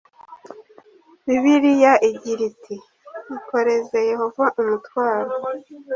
bibiliya igira iti ikoreze yehova umutwaro